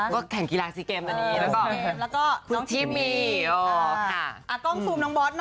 ก็แข่งกีฬาซีเกมตอนนี้แล้วก็คุณชิมมิโอ้โฮค่ะ